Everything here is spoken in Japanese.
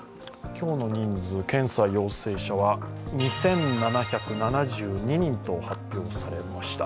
今日の人数、検査陽性者は２７７２人と発表されました。